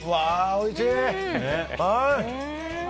おいしい！